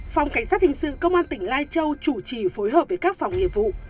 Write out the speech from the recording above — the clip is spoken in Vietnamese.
phòng cảnh sát hình sự công an tỉnh lai châu chủ trì phối hợp với các phòng nghiệp vụ